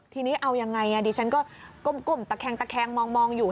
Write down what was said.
ทีนี้เอายังไงดิฉันก็ก้มตะแคงตะแคงมองอยู่